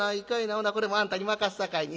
ほなこれもあんたに任すさかいに。